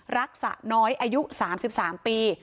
รักษาน้อยอายุ๓๓ปี